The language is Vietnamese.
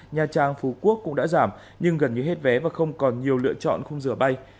nha trang phú quốc cũng đã giảm nhưng gần như hết vé và không còn nhiều lựa chọn không rửa bay